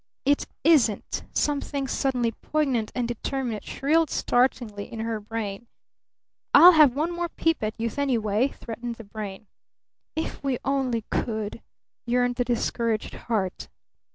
"It ISN'T!" something suddenly poignant and determinate shrilled startlingly in her brain. "I'll have one more peep at youth, anyway!" threatened the brain. "If we only could!" yearned the discouraged heart.